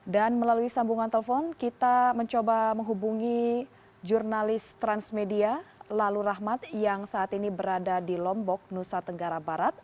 dan melalui sambungan telepon kita mencoba menghubungi jurnalis transmedia lalu rahmat yang saat ini berada di lombok nusa tenggara barat